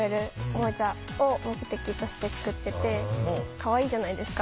かわいいじゃないですか。